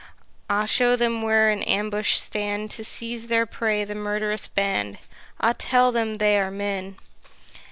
Ah, show them where in ambush stand To seize their prey the murth'rous band! Ah, tell them they are men!